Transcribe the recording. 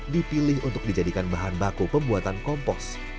dipilih untuk dijadikan bahan baku pembuatan kompos